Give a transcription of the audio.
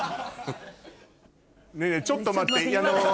ねぇねぇちょっと待って！